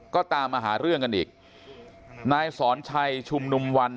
ก็ตามมาหาเรื่องกันอีกนายสอนชัยชุมนุมวัน